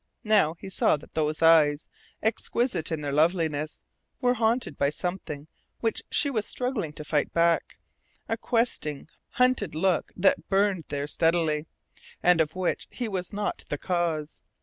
Now he saw that those eyes, exquisite in their loveliness, were haunted by something which she was struggling to fight back a questing, hunted look that burned there steadily, and of which he was not the cause.